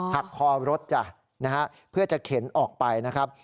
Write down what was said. หักคอรถจ้ะนะฮะเพื่อจะเข็นออกไปนะครับ